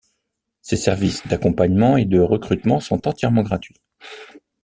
Ses services d'accompagnement et de recrutement sont entièrement gratuits.